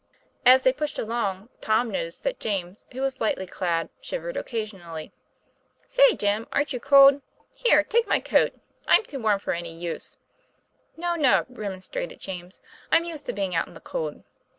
As they pushed along, Tom noticed that James, who was lightly clad, shivered occasionally. "Say, Jim, aren't you cold? Here, take my coat, I'm too warm for any use." "No, no!" remonstrated James; "I'm used to being out in the cold."